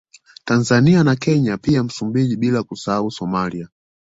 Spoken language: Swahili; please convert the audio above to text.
Tanzania na Kenya pia Msumbiji bila kuisahau Somalia